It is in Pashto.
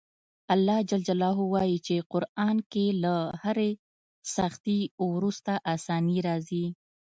الله ج وایي په قران کې له هرې سختي وروسته اساني راځي.